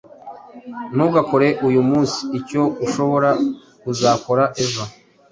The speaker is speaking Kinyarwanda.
Ntugakore uyu munsi icyo ushobora kuzakora ejo